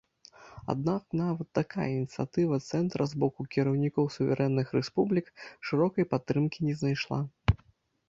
Аднак нават такая ініцыятыва цэнтра з боку кіраўнікоў суверэнных рэспублік шырокай падтрымкі не знайшла.